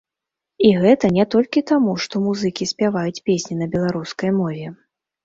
І гэта не толькі таму што музыкі спяваюць песні на беларускай мове.